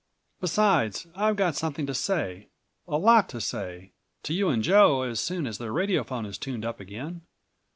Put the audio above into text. Besides, I've got something to say, a lot to say, to you and Joe as soon as the radiophone is tuned up again.